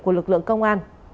của lực lượng công an